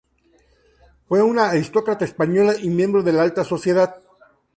Fue una aristócrata española y miembro de la alta sociedad.